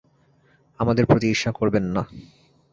আমাদের প্রতি ঈর্ষা করবেন না।